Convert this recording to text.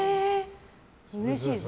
うれしいです